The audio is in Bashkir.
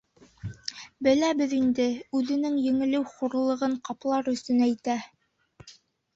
Беләбеҙ инде, үҙенең еңелеү хурлығын ҡаплар өсөн әйтә.